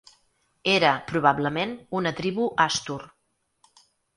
Era probablement una tribu àstur.